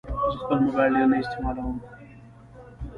زه خپل موبایل ډېر نه استعمالوم.